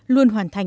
luôn hoàn thành